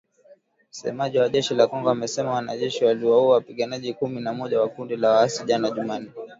Msemaji wa jeshi la Kongo, amesema, wanajeshi waliwaua wapiganaji kumi na moja wa kundi la waasi jana Jumanne